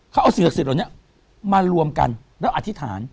เขาเอาสิ่งศักดิ์เหล่านี้มารวมกันแล้วอธิษฐาน